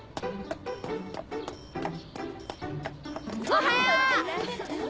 おはよう！